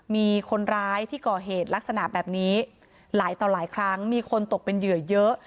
มีคนร้ายที่ก่อเหตุลักษณะแบบนี้หลายต่อหลายครั้งมีคนตกเป็นเหยื่อเยอะ